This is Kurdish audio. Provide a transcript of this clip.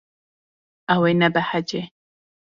Ew ê nebehece.